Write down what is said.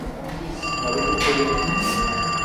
Ma ruku gbilung.